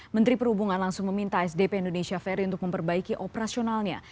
menteri perhubungan langsung meminta sdp indonesia ferry untuk memperbaiki operasionalnya